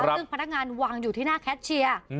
ซึ่งพนักงานวางอยู่ที่หน้าแคชเชียร์